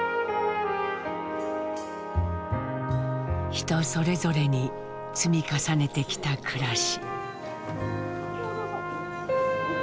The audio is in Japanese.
人それぞれに積み重ねてきた暮らし。